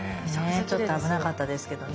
ちょっと危なかったですけどね。